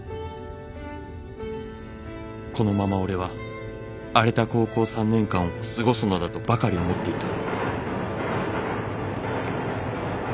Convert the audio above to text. このまま俺は荒れた高校三年間を過ごすのだとばかり思っていた」。